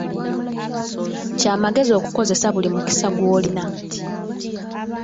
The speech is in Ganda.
Kya magezi okukozesa buli mukisa gw'olina.